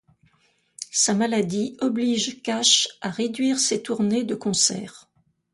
Sa maladie oblige Cash à réduire ses tournées de concerts.